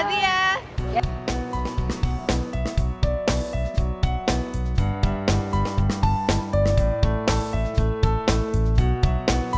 iya dateng ya